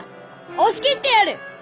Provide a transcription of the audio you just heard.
押し切ってやるッ！